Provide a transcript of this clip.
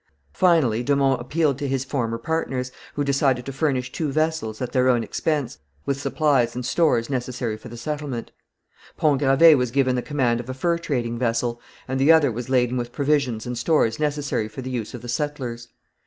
Finally de Monts appealed to his former partners, who decided to furnish two vessels, at their own expense, with supplies and stores necessary for the settlement. Pont Gravé was given the command of a fur trading vessel, and the other was laden with provisions and stores necessary for the use of the settlers.